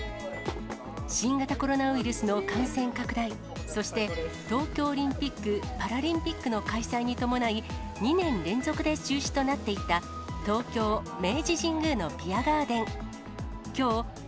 新型コロナウイルスの感染拡大、そして東京オリンピック・パラリンピックの開催に伴い、２年連続で中止となっていた、東京・明治神宮のビアガーデン。